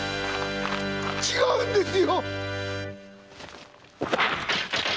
違うんですよ‼